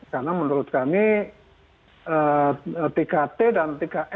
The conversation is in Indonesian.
karena menurut kami tiga t dan tiga m itu